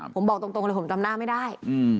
ผมบอกตรงเลยผมจำหน้าไม่ได้